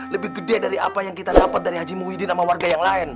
lebih gede dari apa yang kita dapat dari haji muhyiddin sama warga yang lain